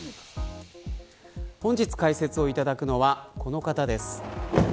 本日解説をいただくのはこの方です。